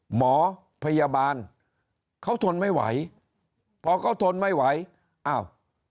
หมอพยาบาลเขาทนไม่ไหวพอก็ทนไม่ไหว